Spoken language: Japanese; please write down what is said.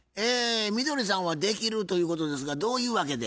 みどりさんはできるということですがどういう訳で？